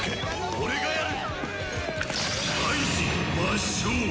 俺がやる。